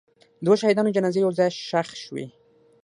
د دوو شهیدانو جنازې یو ځای ښخ شوې.